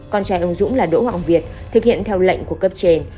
con trai ông dũng là đỗ hoàng việt thực hiện theo lệnh của cấp trên